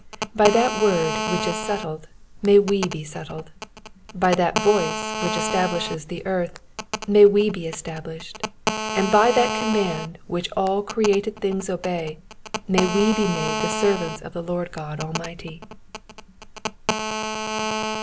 By that word which is settled may we be settled ; by that voice which establishes the earth may we be established ; and by that command which all created things obey may we be made the servants of the Lord €K)d Almighty.